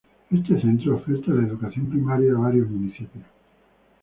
Este centro oferta la educación primaria a varios municipios.